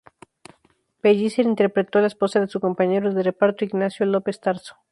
Pellicer interpretó la esposa de su compañero de reparto Ignacio López Tarso.